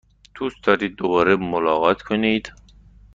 دوست دارید دوباره ملاقات کنید؟